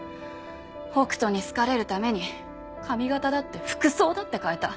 北斗に好かれるために髪形だって服装だって変えた。